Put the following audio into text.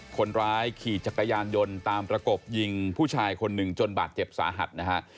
คนร้ายขี่จักรยานยนต์ตามประกบยิงผู้ชายคนหนึ่งจนบาดเจ็บสาหัสนะฮะ